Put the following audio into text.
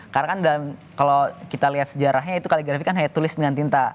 karena kan kalau kita lihat sejarahnya itu kaligrafi kan hanya tulis dengan tinta